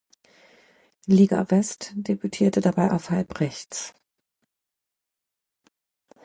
Liga West debütierte dabei auf Halbrechts.